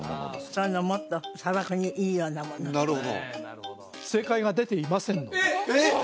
それのもっと砂漠にいいようなもの正解が出ていませんのでえっ！